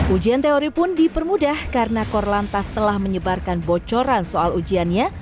ujian teori pun dipermudah karena korlantas telah menyebarkan bocoran soal ujiannya